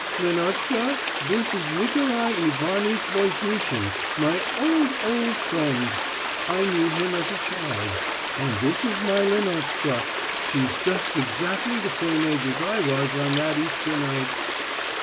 "Lenotchka, this is Nikolai Ivanitch Voznitsin, my old, old friend. I knew him as a child. And this is my Lenotchka. She's just exactly the same age as I was on that Easter night...."